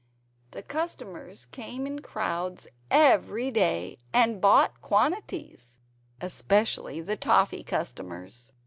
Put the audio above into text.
The customers came in crowds every day and bought quantities, especially the toffee customers.